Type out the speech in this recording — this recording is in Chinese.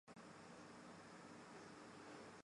它是由北欧女神吉菲昂与四头牛所组成。